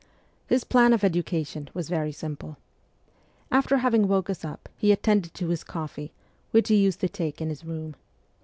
His plan of education was very simple. After having woke us up he attended to his coffee, which he used to take in his room.